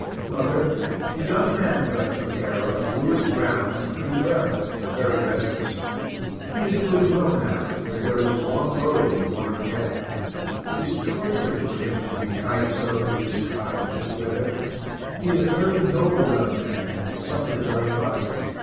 Mother, the young man that I took care of, Lewis Brown, is pretty well, but very restless he is doing well now, but there is a long road before him yet; it is torture for him to be tied so to his cot, this weather; he is a very noble young man and has suffered very much.